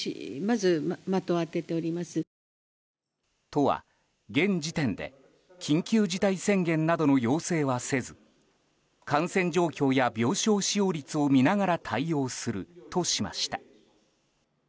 都は現時点で緊急事態宣言などの要請はせず感染状況や病床使用率を見ながら対応するとしました。